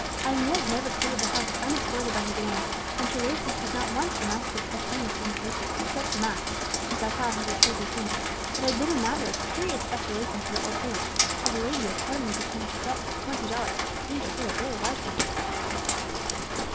As Inez never quitted the house unescorted by her duenna, and Teresa had not once been asked to attend the señorita except to mass since Alcala had received his wound, it had been a matter of curious speculation to the old servant how the lady had suddenly become possessed of twenty dollars, which seemed to her a very large sum.